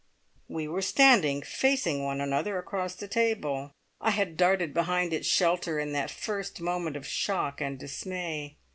We were standing facing one another across the table. I had darted behind its shelter in that first moment of shock and dismay.